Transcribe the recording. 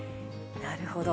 なるほど。